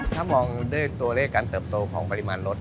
ถ้ามองด้วยตัวเลขการเติบโตของปริมาณรถ